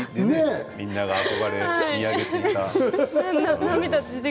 みんなの憧れ、見上げていた。